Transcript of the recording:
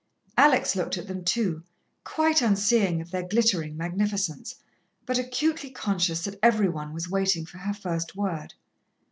Alex looked at them too, quite unseeing of their glittering magnificence, but acutely conscious that every one was waiting for her first word.